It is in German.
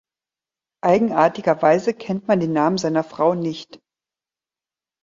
Eigenartigerweise kennt man den Namen seiner Frau nicht.